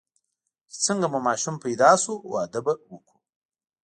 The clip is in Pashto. چې څنګه مو ماشوم پیدا شو، واده به وکړو.